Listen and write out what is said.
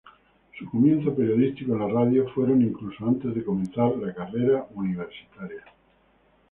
Sus comienzos periodísticos en la radio fueron incluso antes de comenzar la carrera universitaria.